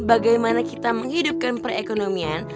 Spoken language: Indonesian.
bagaimana kita menghidupkan perekonomian